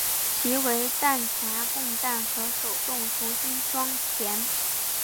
其为弹匣供弹和手动重新装填。